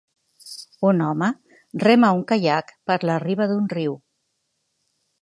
Un home rema un caiac per la riba d'un riu.